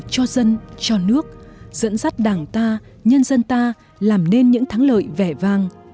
cho dân cho nước dẫn dắt đảng ta nhân dân ta làm nên những thắng lợi vẻ vang